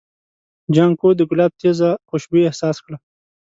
جانکو د ګلاب تېزه خوشبويي احساس کړه.